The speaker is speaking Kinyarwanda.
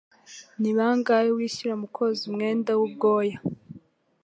Ni bangahe wishyura mu koza umwenda w'ubwoya?